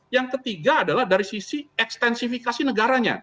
yang ketiga adalah dari sisi ekstensifikasi negaranya